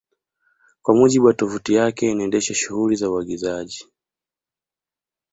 Kwa mujibu wa tovuti yake inaendesha shughuli za uagizaji